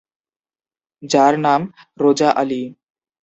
যার নাম রোজা আলী।